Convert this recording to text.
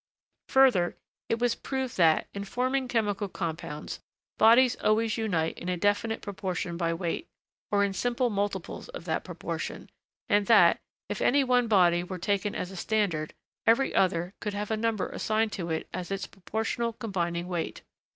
Further, it was proved that, in forming chemical compounds, bodies always unite in a definite proportion by weight, or in simple multiples of that proportion, and that, if any one body were taken as a standard, every other could have a number assigned to it as its proportional combining weight.